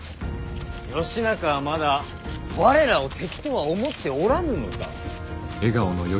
義仲はまだ我らを敵とは思っておらぬのか。